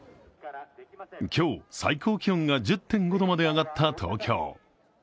今日、最高気温が１０．５度まで上がった東京。